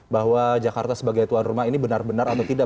bahwa jakarta sebagai tuan rumah ini benar benar atau tidak